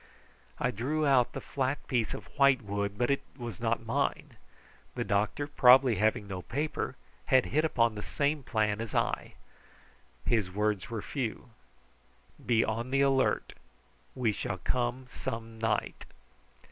I drew out the flat piece of white wood, but it was not mine. The doctor, probably having no paper, had hit upon the same plan as I. His words were few. "Be on the alert. We shall come some night."